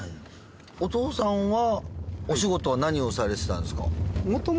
お父さんはお仕事は何をされてたんですか？